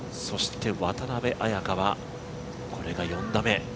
そして渡邉彩香はこれが４打目。